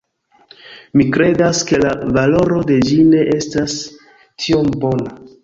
Mi kredas, ke la valoro de ĝi ne estas tiom bona